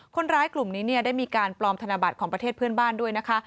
คนร้ายกลุ่มนี้ได้มีการปลอมธนบัตรของประเทศเพื่อนบ้านด้วยนะคะ